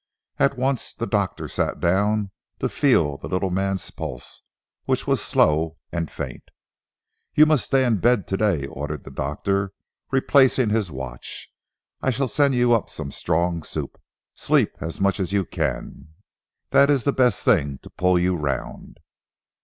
At once the doctor sat down to feel the little man's pulse, which was slow and faint. "You must stay in bed to day," ordered the doctor replacing his watch. "I shall send you up some strong soup. Sleep as much as you can, that is the best thing to pull you round."